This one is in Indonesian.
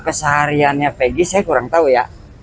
kesehariannya peggy saya kurang tahu ya